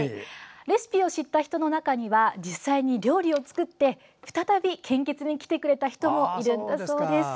レシピを知った人の中には実際に料理を作って再び献血に来てくれた人もいるんだそうです。